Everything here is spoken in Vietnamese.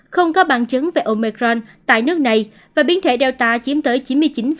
không có bằng chứng về omicron tại nước này và biến thể delta chiếm tới chín mươi chín chín